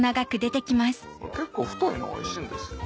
結構太いのおいしいんですよ。